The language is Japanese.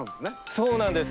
そうなんです。